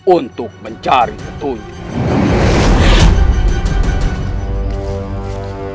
untuk mencari ketuntik